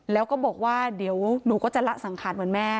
แล้วก็บอกว่าเดี๋ยวนูสังขาญก็ละสังขาญเหมือนแม่